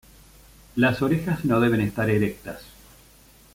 Las orejas no deben estar erectas.